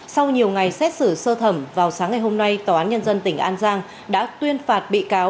sau nhiều ngày xét xử sơ thẩm vào sáng ngày hôm nay tòa án nhân dân tỉnh an giang đã tuyên phạt bị cáo